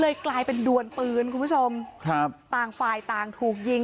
กลายเป็นดวนปืนคุณผู้ชมครับต่างฝ่ายต่างถูกยิง